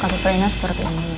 kasus renanya seperti ini